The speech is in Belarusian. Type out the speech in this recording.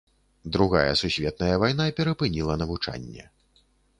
Другая сусветная вайна перапыніла навучанне.